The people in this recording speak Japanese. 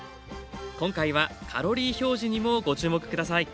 今回はカロリー表示にもご注目下さい。